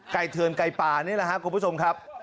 เถื่อนไก่ป่านี่แหละครับคุณผู้ชมครับ